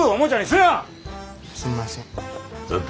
すんません。